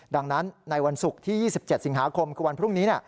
ดังนั้นในวันศุกร์ที่๒๗สิงหาคมคือวันพรุ่งนี้